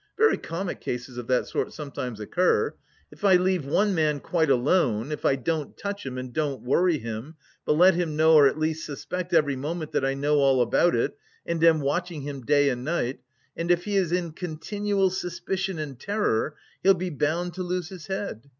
Very comic cases of that sort sometimes occur. If I leave one man quite alone, if I don't touch him and don't worry him, but let him know or at least suspect every moment that I know all about it and am watching him day and night, and if he is in continual suspicion and terror, he'll be bound to lose his head.